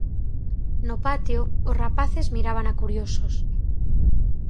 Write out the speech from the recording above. No patio, os rapaces mirábana curiosos.